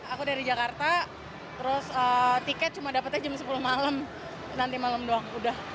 aku dari jakarta tiket cuma dapetnya jam sepuluh malam nanti malam doang udah